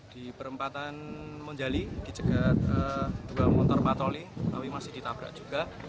di perempatan monjali dicegat dua motor patroli tapi masih ditabrak juga